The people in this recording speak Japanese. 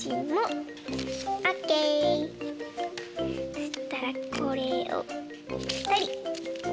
そしたらこれをぺたり。